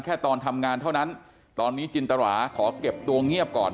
แค่ตอนทำงานเท่านั้นตอนนี้จินตราขอเก็บตัวเงียบก่อน